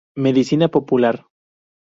Medicina popular.